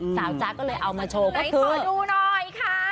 สาวจ๊ะก็เลยเอามาโชว์ก็คือหน่อยขอดูหน่อยค่ะ